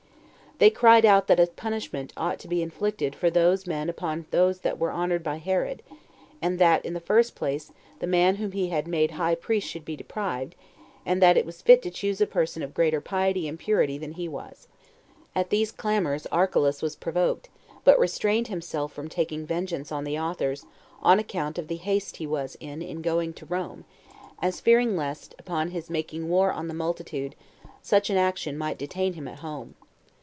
They cried out that a punishment ought to be inflicted for these men upon those that were honored by Herod; and that, in the first place, the man whom he had made high priest should be deprived; and that it was fit to choose a person of greater piety and purity than he was. 3. At these clamors Archelaus was provoked, but restrained himself from taking vengeance on the authors, on account of the haste he was in of going to Rome, as fearing lest, upon his making war on the multitude, such an action might detain him at home.